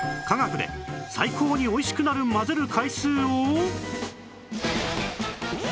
科学で最高においしくなる混ぜる回数を